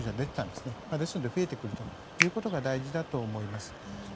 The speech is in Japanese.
ですので増えてくるということが大事だと思います。